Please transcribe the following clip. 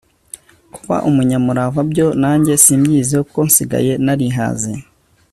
kuba umunyamurava byo, nanjye simbyiyiziho, kuko nsigaye narihaze